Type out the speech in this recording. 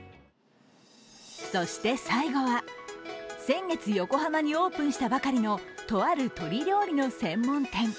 そして最後は、先月、横浜にオープンしたばかりのとある鶏料理の専門店。